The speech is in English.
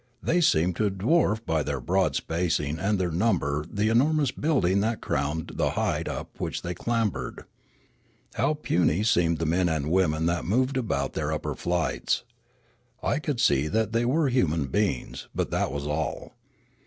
They seemed to dwarf by their broad spacing and their number the enormous building that crowned the height up which they clambered. How puny seemed the men and women that moved about 2/0 Riallaro their upper flights. I could see that they were human beings; but that was all.